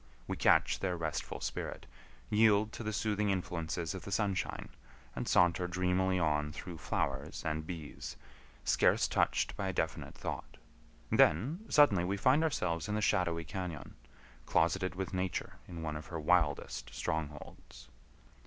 We catch their restful spirit, yield to the soothing influences of the sunshine, and saunter dreamily on through flowers and bees, scarce touched by a definite thought; then suddenly we find ourselves in the shadowy cañon, closeted with Nature in one of her wildest strongholds.